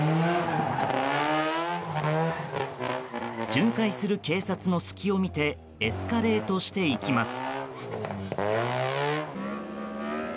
巡回する警察の隙を見てエスカレートしていきます。